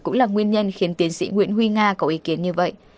cũng là nguyên nhân khiến tiến sĩ nguyễn huy nga có ý kiến như vậy